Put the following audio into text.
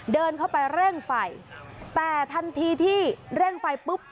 เดินเข้าไปเร่งไฟแต่ทันทีที่เร่งไฟปุ๊บ